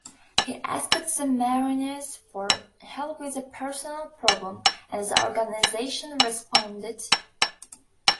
He asked the Mariners for help with a personal problem, and the organization responded.